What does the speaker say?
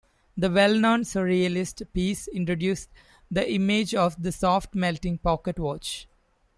The well-known surrealist piece introduced the image of the soft melting pocket watch.